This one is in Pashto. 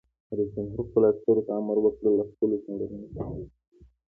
رئیس جمهور خپلو عسکرو ته امر وکړ؛ له خپلو سنگرونو څخه دفاع وکړئ!